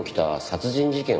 殺人事件？